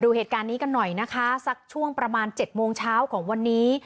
เหตุการณ์นี้กันหน่อยนะคะสักช่วงประมาณ๗โมงเช้าของวันนี้